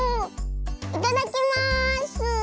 いただきます！